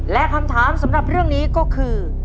และคำถามสำหรับเรื่องนี้ก็คือ